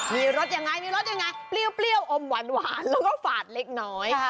มีรสอย่างไรเปรี้ยวอมหวานแล้วก็ฝาดเล็กน้อย